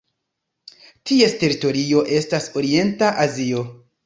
Ties teritorio estas Orienta Azio.